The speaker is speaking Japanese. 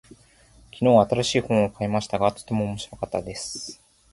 昨日、新しい本を買いましたが、とても面白かったです。